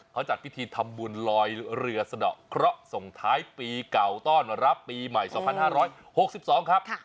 เขาจัดพิธีทำบุญลอยเรือสะดอกเคราะส่งท้ายปีเก่าต้อนรับปีใหม่สองพันห้าร้อยหกสิบสองครับ